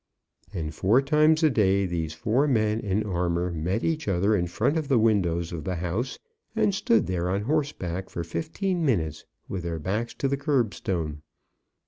And four times a day these four men in armour met each other in front of the windows of the house, and stood there on horseback for fifteen minutes, with their backs to the curbstone.